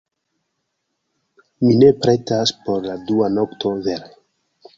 Mi ne pretas por la dua nokto, vere.